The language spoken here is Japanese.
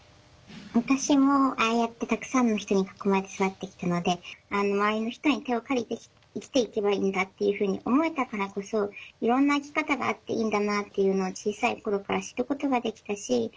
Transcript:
私もああやってたくさんの人に囲まれて育ってきたので周りの人に手を借りて生きていけばいいんだっていうふうに思えたからこそいろんな生き方があっていいんだなっていうのを小さい頃から知ることができたし。